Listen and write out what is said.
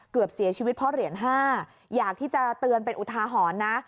เกือบเสียชีวิตเพราะเหรียญ๕อยากที่จะเตือนเป็นอุทาหรณ์นะ